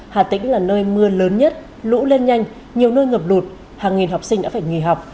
hà tĩnh là nơi mưa lớn nhất lũ lên nhanh nhiều nơi ngập lụt hàng nghìn học sinh đã phải nghỉ học